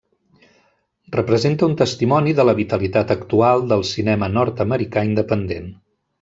Representa un testimoni de la vitalitat actual del cinema nord-americà independent.